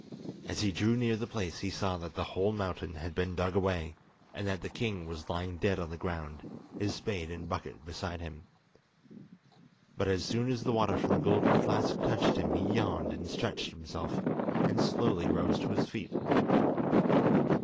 As he drew near the place he saw that the whole mountain had been dug away, and that the king was lying dead on the ground, his spade and bucket beside him. But as soon as the water from the golden flask touched him he yawned and stretched himself, and slowly rose to his feet.